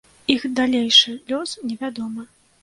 Іх далейшы лёс невядомы.